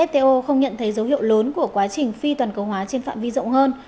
thấy dấu hiệu lớn của quá trình phi toàn cầu hóa trên phạm vi rộng hơn